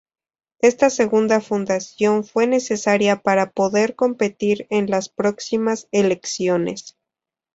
Esta segunda fundación fue necesaria para poder competir en las próximas elecciones.